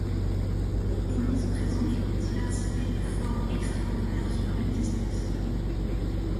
Les pénis présentent une diversité de forme extraordinaire selon les espèces.